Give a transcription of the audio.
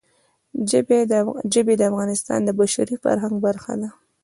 ژبې د افغانستان د بشري فرهنګ برخه ده.